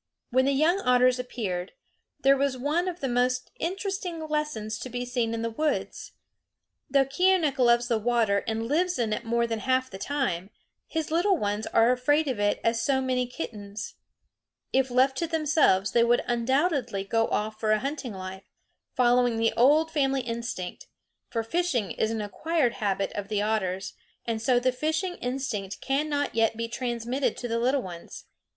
When the young otters appeared, there was one of the most interesting lessons to be seen in the woods. Though Keeonekh loves the water and lives in it more than half the time, his little ones are afraid of it as so many kittens. If left to themselves they would undoubtedly go off for a hunting life, following the old family instinct; for fishing is an acquired habit of the otters, and so the fishing instinct cannot yet be transmitted to the little ones.